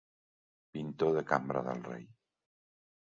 Pintor de cambra del rei.